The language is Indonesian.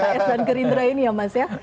pks dan gerindra ini ya mas ya